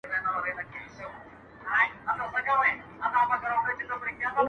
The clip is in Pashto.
وخت که لېونی سو، توپانونو ته به څه وایو!!